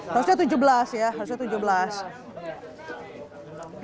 harusnya tujuh belas orang